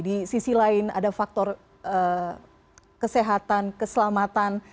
di sisi lain ada faktor kesehatan keselamatan